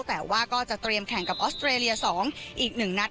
แต่ว่าก็จะเตรียมแข่งกับออสเตรเลีย๒อีก๑นัด